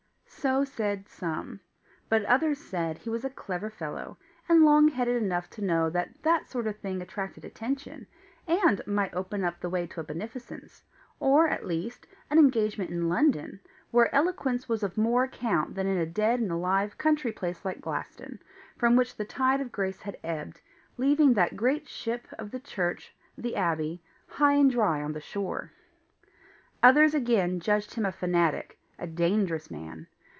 So said some. But others said he was a clever fellow, and long headed enough to know that that sort of thing attracted attention, and might open the way to a benefice, or at least an engagement in London, where eloquence was of more account than in a dead and alive country place like Glaston, from which the tide of grace had ebbed, leaving that great ship of the church, the Abbey, high and dry on the shore. Others again judged him a fanatic a dangerous man.